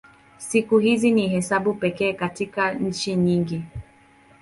Siku hizi ni hesabu pekee katika nchi nyingi.